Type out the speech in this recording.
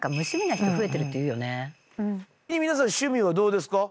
皆さん趣味はどうですか？